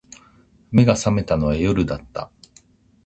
眼が覚めたのは夜だった